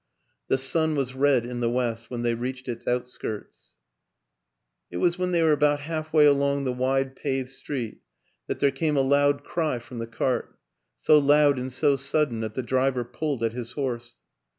The sun was red in the west when they reached its outskirts. It was when they were about halfway along the wide paved street that there came a loud cry from the cart so loud and so sudden that the driver pulled at his horse.